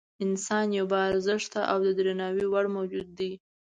انسان یو با ارزښته او د درناوي وړ موجود دی.